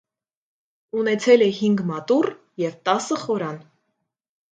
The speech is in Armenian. Ունեցել է հինգ մատուռ և տասը խորան։